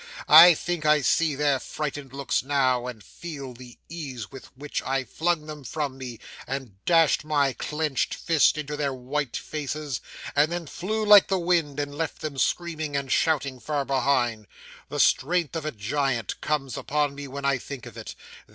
I think I see their frightened looks now, and feel the ease with which I flung them from me, and dashed my clenched fist into their white faces, and then flew like the wind, and left them screaming and shouting far behind. The strength of a giant comes upon me when I think of it.